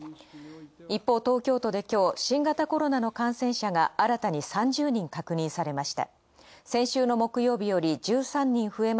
一方、東京都で今日、新型コロナの感染者が新たに３０人確認されました。